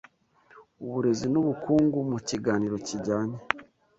uburezi n'ubukungu Mu kiganiro kijyanye